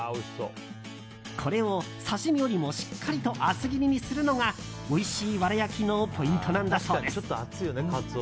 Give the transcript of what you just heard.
これを刺し身よりもしっかりと厚切りにするのがおいしいわら焼きのポイントなんだそうです。